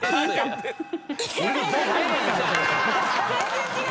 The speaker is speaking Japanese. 全然違う！